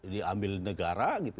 diambil negara gitu